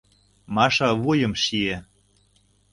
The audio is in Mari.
— Маша вуйым шие.